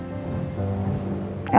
aku tidak mau